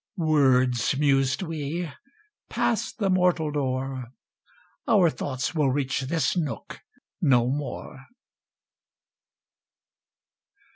... "Words!" mused we. "Passed the mortal door, Our thoughts will reach this nook no more."